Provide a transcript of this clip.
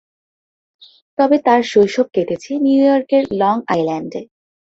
তবে তার শৈশব কেটেছে নিউ ইয়র্কের লং আইল্যান্ডে।